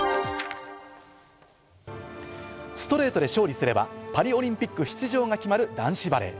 ストレートで勝利すれば、パリオリンピック出場が決まる男子バレー。